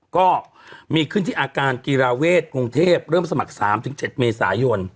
ก็มีขึ้นที่อาการกีฬาเวทกรุงเทพเริ่มสมัคร๓๗เมษายน